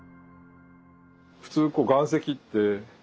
普通岩石ってパカ